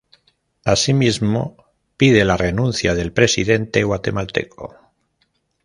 Asimismo, pide la renuncia del presidente guatemalteco.